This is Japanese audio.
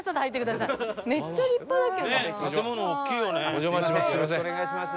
お邪魔します。